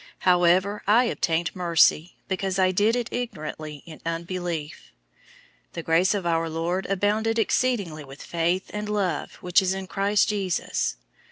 However, I obtained mercy, because I did it ignorantly in unbelief. 001:014 The grace of our Lord abounded exceedingly with faith and love which is in Christ Jesus.